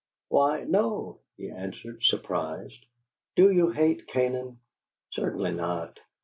"Why, no!" he answered, surprised. "Do you hate Canaan?" "Certainly not."